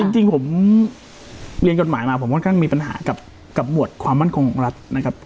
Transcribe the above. จริงผมเรียนกฎหมายมาผมค่อนข้างมีปัญหากับหมวดความมั่นคงของรัฐนะครับ